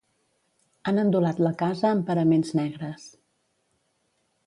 Han endolat la casa amb paraments negres.